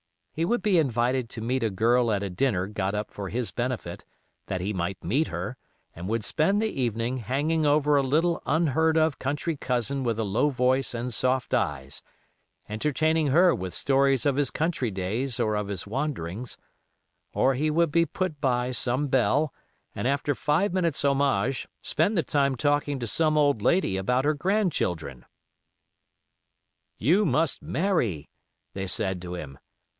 He would be invited to meet a girl at a dinner got up for his benefit, that he might meet her, and would spend the evening hanging over a little unheard of country cousin with a low voice and soft eyes, entertaining her with stories of his country days or of his wanderings; or he would be put by some belle, and after five minutes' homage spend the time talking to some old lady about her grandchildren. "You must marry," they said to him.